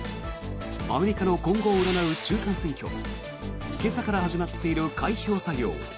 アメリカの今後を占う中間選挙今朝から始まっている開票作業。